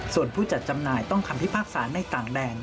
ส่วนผู้จัดจำหน่ายต้องคำพิพากษาในต่างแดน